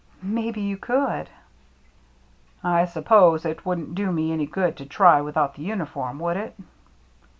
"Maybe you could." "I suppose it wouldn't do me any good to try without the uniform, would it